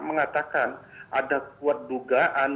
mengatakan ada kuat dugaan